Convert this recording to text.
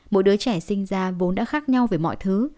mỗi đứa trẻ sinh ra vốn đã khác nhau về mọi thứ